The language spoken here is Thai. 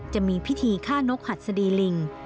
จะมีพิธีฆ่านกหัดสดีลิง